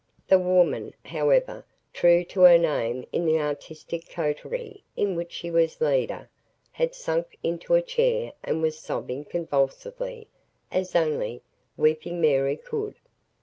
The woman, however, true to her name in the artistic coterie in which she was leader, had sunk into a chair and was sobbing convulsively, as only "Weepy Mary" could.